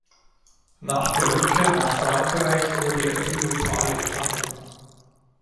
Nach der Rückkehr nach Frankreich wurde er triumphal empfangen.